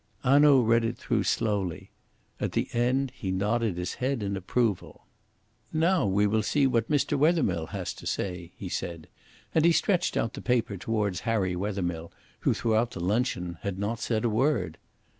Hanaud read it through slowly. At the end he nodded his head in approval. "Now we will see what M. Wethermill has to say," he said, and he stretched out the paper towards Harry Wethermill, who throughout the luncheon had not said a word.